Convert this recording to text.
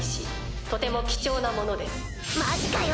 マジかよ！